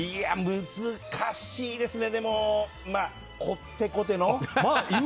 難しいですね。